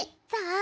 あ！